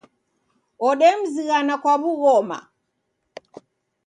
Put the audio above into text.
Odemzighana kwa w'ughoma